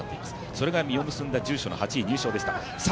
それが実を結んだ住所の８位入賞でした。